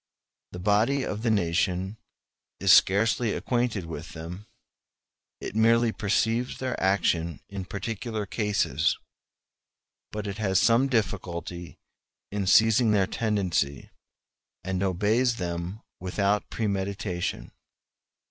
The body of the nation is scarcely acquainted with them; it merely perceives their action in particular cases; but it has some difficulty in seizing their tendency, and obeys them without premeditation.